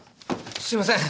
すいません！